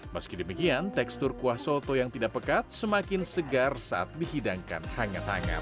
meski demikian tekstur kuah soto yang tidak pekat semakin segar saat dihidangkan hangat hangat